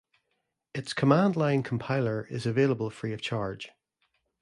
Its command-line compiler is available free of charge.